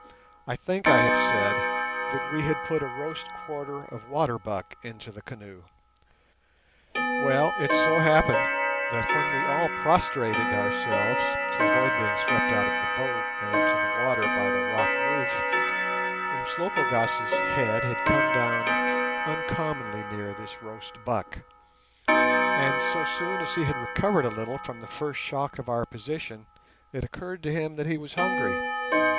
I think I have said that we had put a roast quarter of water buck into the canoe. Well, it so happened that when we all prostrated ourselves to avoid being swept out of the boat and into the water by the rock roof, Umslopogaas's head had come down uncommonly near this roast buck, and so soon as he had recovered a little from the first shock of our position it occurred to him that he was hungry.